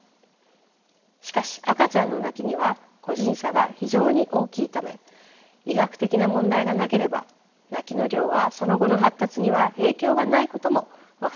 しかし赤ちゃんの泣きには個人差が非常に大きいため医学的な問題がなければ泣きの量はその後の発達には影響がないことも分かっています。